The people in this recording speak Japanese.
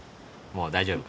もう大丈夫？